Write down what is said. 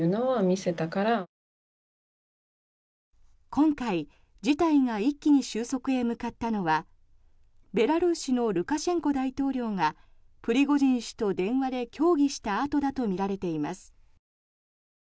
今回、事態が一気に収束へ向かったのはベラルーシのルカシェンコ大統領がプリゴジン氏と電話で協議したあとだとみられています。